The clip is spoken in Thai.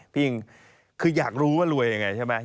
อิงคืออยากรู้ว่ารวยยังไงใช่ไหม